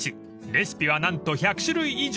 ［レシピは何と１００種類以上］